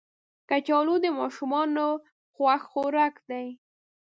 کچالو د ماشومانو خوښ خوراک دی